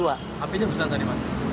apinya berapa tadi mas